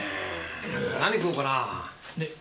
何食おうかなぁ。